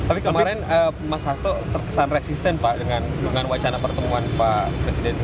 tapi kemarin mas hasto terkesan resisten pak dengan wacana pertemuan pak presiden